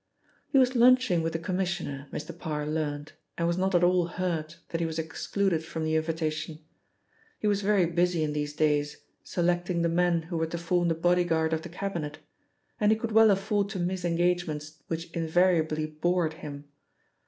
He was lunching with the Commissioner, Mr. Parr learnt, and was not at all hurt that he was excluded from the invitation. He was very busy in these days, selecting the men who were to form the bodyguard o the Cabinet, and he could well afford to miss engagements which invariably bored him.